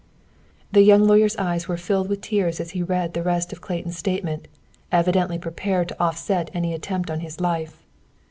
The young lawyer's eyes were filled with tears as he read the rest of Clayton's statement, evidently prepared to offset any attempt on his life.